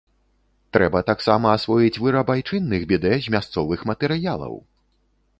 Трэба таксама асвоіць выраб айчынных бідэ з мясцовых матэрыялаў!